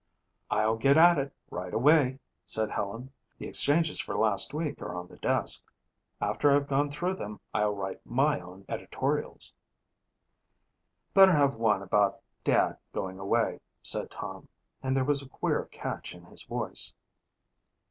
"I'll get at it right away," said Helen. "The exchanges for last week are on the desk. After I've gone through them I'll write my own editorials." "Better have one about Dad going away," said Tom and there was a queer catch in his voice.